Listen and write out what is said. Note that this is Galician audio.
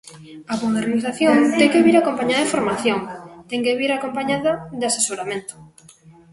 A modernización ten que vir acompañada de formación; ten que vir acompañada de asesoramento.